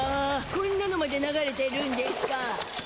こんなのまで流れてるんでしゅか。